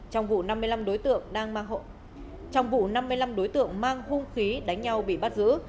trong vụ năm mươi năm đối tượng mang hung khí đánh nhau bị bắt giữ